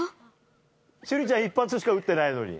朱莉ちゃん、１発しか打ってないのに。